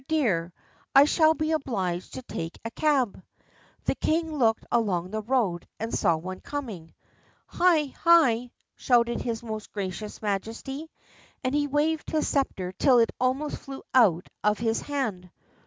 dear! I shall be obliged to take a cab." The king looked along the road, and saw one coming. "Hi! hi!" shouted his most gracious Majesty, and he waved his sceptre till it almost flew out of his hand.